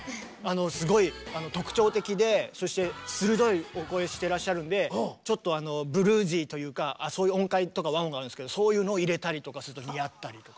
すごい特徴的でそして鋭いお声してらっしゃるんでちょっとブルージーというかそういう音階とか和音があるんですけどそういうのを入れたりとかする時にやったりとか。